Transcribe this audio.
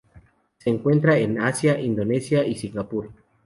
Se encuentran en Asia: Indonesia y Singapur.